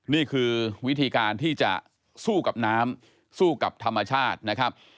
นี่คือวิธีการที่จะสู้กับน้ำสู้กับธรรมชาตินะครับ